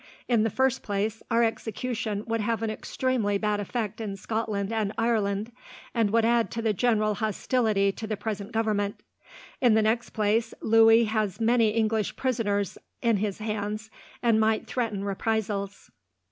In the first place, our execution would have an extremely bad effect in Scotland and Ireland, and would add to the general hostility to the present Government. In the next place, Louis has many English prisoners in his hands, and might threaten reprisals.